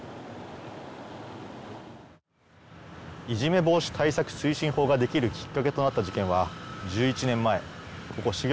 いじめ防止対策推進法ができるきっかけとなった事件は１１年前ここ